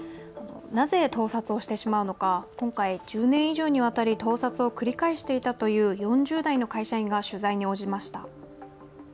なぜ盗撮をしてしまうのか今回１０年以上にわたり盗撮を繰り返していたという４０代の会社員が取材に応じました。